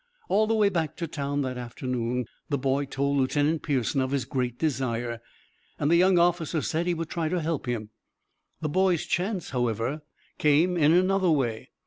All the way back to town that afternoon the boy told Lieutenant Pearson of his great desire, and the young officer said he would try to help him. The boy's chance, however, came in another way.